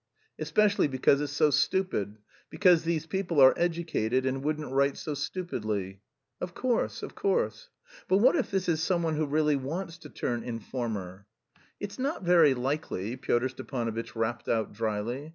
"Especially because it's so stupid. Because these people are educated and wouldn't write so stupidly." "Of course, of course." "But what if this is someone who really wants to turn informer?" "It's not very likely," Pyotr Stepanovitch rapped out dryly.